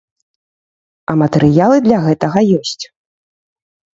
А матэрыялы для гэтага ёсць.